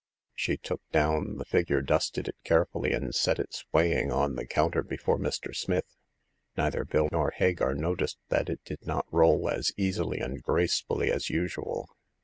She took down the figure, dusted it carefully, and set it swaying on the counter before Mr. Smith. Neither Bill nor Hagar noticed that it did not roll as easily and gracefully as usual.